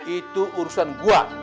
itu urusan gua